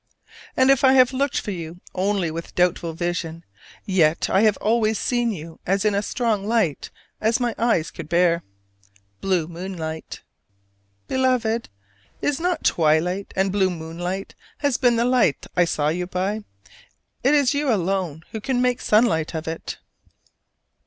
And if I have looked for you only with doubtful vision, yet I have always seen you in as strong a light as my eyes could bear: blue moonlight. Beloved, is not twilight: and blue moonlight has been the light I saw you by: it is you alone who can make sunlight of it.